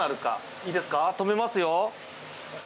いいですか止めますよ。